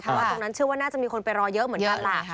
เพราะว่าตรงนั้นเชื่อว่าน่าจะมีคนไปรอเยอะเหมือนกันแหละ